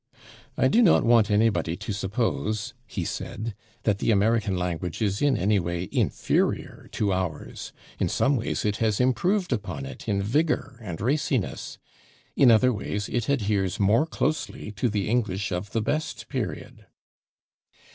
"I do not want anybody to suppose," he said, "that the American language is in any way inferior to ours. In some ways it has improved upon it in vigor and raciness. In other ways it adheres more closely to the English of the best period."